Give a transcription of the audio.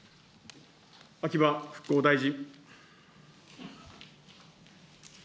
秋葉復興大臣。